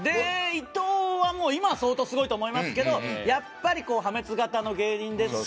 伊藤は今は相当すごいと思いますがやっぱり、破滅型の芸人ですし。